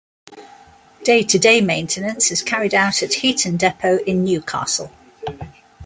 Day-to-day maintenance is carried out at Heaton depot, in Newcastle.